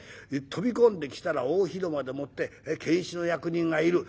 飛び込んできたら大広間でもって検使の役人がいる。